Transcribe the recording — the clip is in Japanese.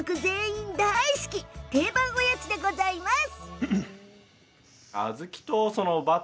定番おやつでございます。